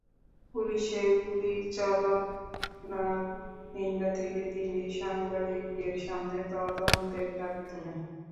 পুলিশের গুলি চালনার নিন্দা করে তিনি সাংবাদিকদের সামনে তদন্তের দাবি তোলেন।